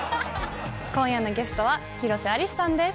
今夜のゲストは広瀬アリスさんです。